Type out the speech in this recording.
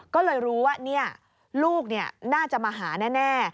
ก็เลยรู้ว่าลูกน่าจะมาหาแน่